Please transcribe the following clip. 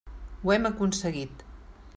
Ho hem aconseguit.